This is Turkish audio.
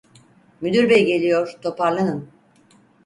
Müdür bey geliyor, toparlanın!